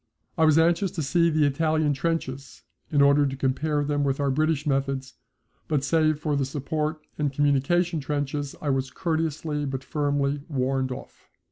I was anxious to see the Italian trenches, in order to compare them with our British methods, but save for the support and communication trenches I was courteously but firmly warned off.